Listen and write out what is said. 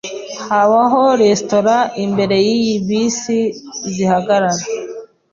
Habaho resitora imbere yiyi bisi zihagarara.